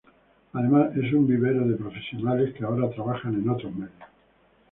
Además es un vivero de profesionales que ahora trabajan en otros medios.